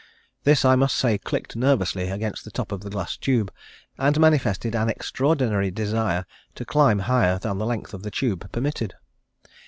This I must say clicked nervously against the top of the glass tube and manifested an extraordinary desire to climb higher than the length of the tube permitted.